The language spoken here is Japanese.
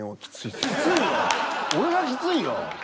俺がきついよ！